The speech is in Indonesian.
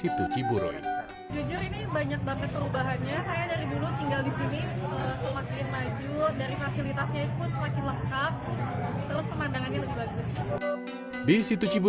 situ ciburui mengagumkan louisinski aduk agwho